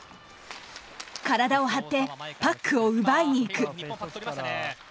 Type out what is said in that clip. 体を張ってパックを奪いに行く。